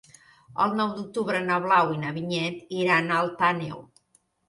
El nou d'octubre na Blau i na Vinyet iran a Alt Àneu.